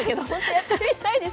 やってみたいです。